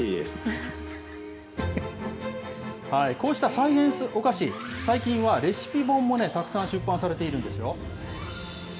こうしたサイエンスお菓子、最近はレシピ本もたくさん出版されているんですよ。